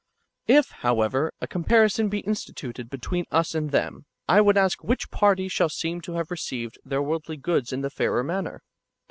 If, however, a comparison be instituted between us and them, [I would ask] which party shall seem to have received [their worldly goods] in the fairer manner